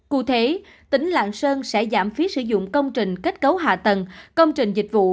cụ thể tỉnh lạng sơn sẽ giảm phí sử dụng công trình kết cấu hạ tầng công trình dịch vụ